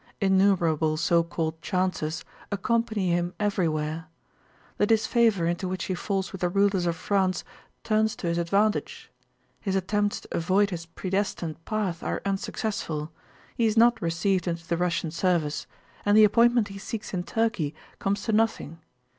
Innumerable so called chances accompany him everywhere. The disfavor into which he falls with the rulers of France turns to his advantage. His attempts to avoid his predestined path are unsuccessful: he is not received into the Russian service, and the appointment he seeks in Turkey comes to nothing.